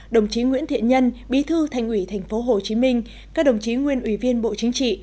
đồng chí nguyễn thiện nhân bí thư thành ủy thành phố hồ chí minh các đồng chí nguyên ủy viên bộ chính trị